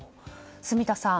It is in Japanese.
住田さん